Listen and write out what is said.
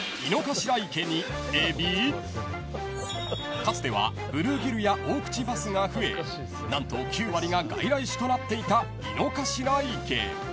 ［かつてはブルーギルやオオクチバスが増え何と９割が外来種となっていた井の頭池］